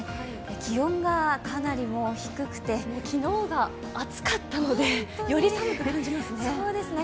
気温がかなり低くて、昨日が暑かったので、より寒く感じますね。